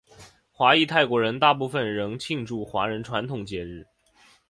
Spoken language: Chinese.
华裔泰国人大部分仍庆祝华人传统节日。